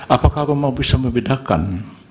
apakah rumah bisa membedakan